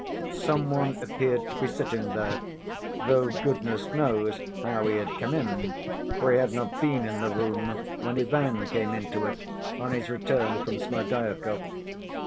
Some one appeared to be sitting there, though goodness knows how he had come in, for he had not been in the room when Ivan came into it, on his return from Smerdyakov.